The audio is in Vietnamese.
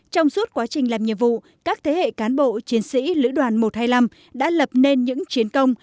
trong suốt quá trình làm nhiệm vụ các thế hệ cán bộ chiến sĩ lữ đoàn một trăm hai mươi năm đã lập nên những chiến công